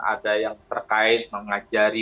ada yang terkait mengajari